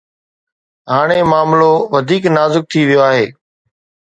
هاڻي معاملو وڌيڪ نازڪ ٿي ويو آهي.